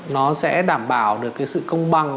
nó sẽ đảm bảo được cái sự công bằng